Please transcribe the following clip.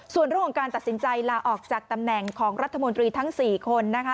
ส่วนเรื่องของการตัดสินใจลาออกจากตำแหน่งของรัฐมนตรีทั้ง๔คนนะคะ